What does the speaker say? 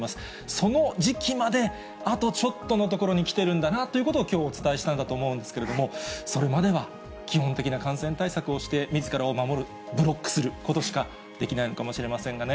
その時期まであとちょっとのところに来てるんだなということをきょう、お伝えしたんだと思うんですけれども、それまでは基本的な感染対策をして、みずからを守る、ブロックすることしかできないのかもしれませんがね。